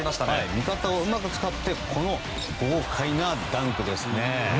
味方をうまく使ってこの豪快なダンクですね。